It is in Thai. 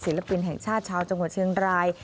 ศิลปินแห่งชาติชาวจังหวัดเชียงราย